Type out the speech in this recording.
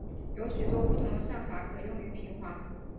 有许多不同的算法可用于平滑。